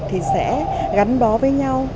thì sẽ gắn bó với nhau